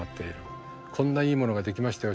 「こんないいものができましたよ。